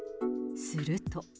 すると。